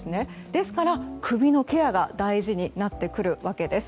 ですから、首のケアが大事になってくるわけです。